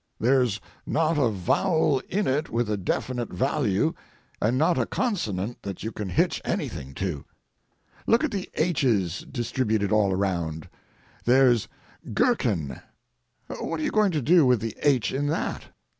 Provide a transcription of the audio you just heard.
There's not a vowel in it with a definite value, and not a consonant that you can hitch anything to. Look at the "h's" distributed all around. There's "gherkin." What are you going to do with the "h" in that?